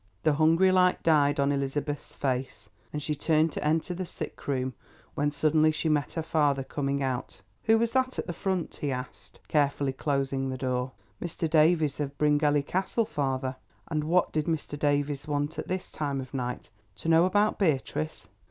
The hungry light died on Elizabeth's face, and she turned to enter the sick room when suddenly she met her father coming out. "Who was that at the front?" he asked, carefully closing the door. "Mr. Davies of Bryngelly Castle, father." "And what did Mr. Davies want at this time of night? To know about Beatrice?"